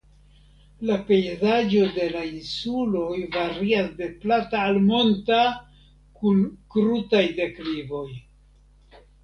La pejzaĝo de la insuloj varias de plata al monta kun krutaj deklivoj.